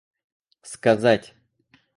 сказать